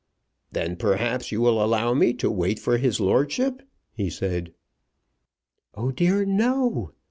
"Then perhaps you will allow me to wait for his lordship," he said. "Oh dear, no!